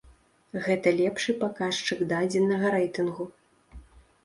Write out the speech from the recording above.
Гэта лепшы паказчык дадзенага рэйтынгу.